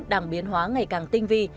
đang biến hóa ngày càng tinh vi